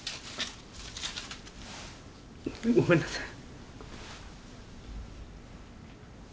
ごめんなさい。